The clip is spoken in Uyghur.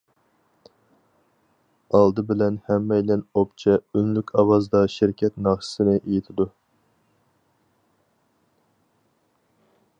ئالدى بىلەن ھەممەيلەن ئوپچە ئۈنلۈك ئاۋازدا شىركەت ناخشىسىنى ئېيتىدۇ.